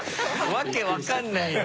わけ分からないよ。